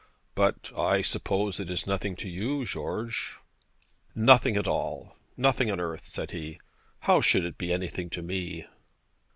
'But I suppose it is nothing to you, George?' 'Nothing at all. Nothing on earth,' said he. 'How should it be anything to me?'